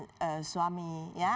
atau kita pengalaman hidupnya